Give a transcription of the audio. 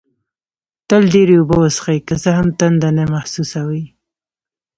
تل ډېري اوبه وڅېښئ، که څه هم تنده نه محسوسوئ